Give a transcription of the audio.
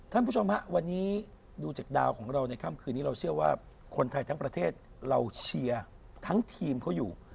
ท่านผู้ชมฮะวันนี้ดูจากดาวของเราในค่ำคืนนี้เราเชื่อว่าคนไทยทั้งประเทศเราเชียร์ทั้งทีมเขาอยู่